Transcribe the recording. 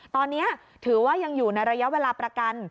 ตอนนี้ถือว่ายังอยู่ในระยะเวลาประกัน